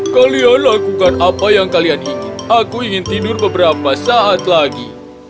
kalian lakukan apa yang kalian ingin aku ingin tidur beberapa saat lagi